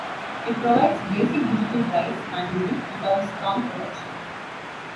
It provides basic Digital Rights Management, without strong protection.